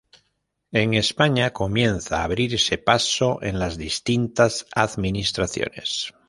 En España comienza abrirse paso en las distintas administraciones.